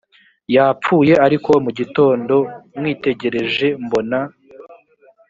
yapfuye ariko mu gitondo mwitegereje mbona